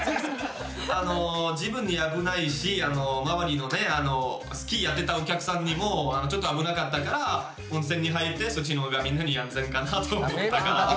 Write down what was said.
あの自分に危ないし周りのスキーやってたお客さんにもちょっと危なかったから温泉に入ってそっちの方がみんなに安全かなと思ったから。